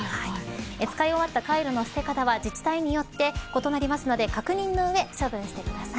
使い終わったカイロの捨て方は自治体によって異なりますので確認の上、処分してください。